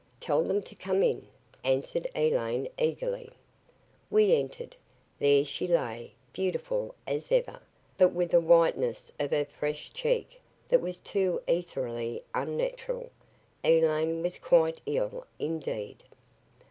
"Tell them to come in," answered Elaine eagerly. We entered. There she lay, beautiful as ever, but with a whiteness of her fresh cheek that was too etherially unnatural. Elaine was quite ill indeed.